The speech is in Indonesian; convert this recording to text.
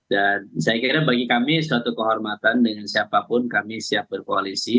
dan saya kira bagi kami suatu kehormatan dengan siapapun kami siap berkoalisi